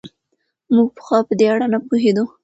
موږ پخوا په دې اړه نه پوهېدو.